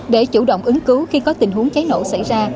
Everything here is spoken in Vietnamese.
để chủ động ứng cứu khi có tình huống cháy nổ xảy ra